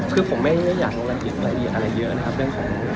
คือผมไม่อยากลงละเอียดอะไรเยอะนะครับ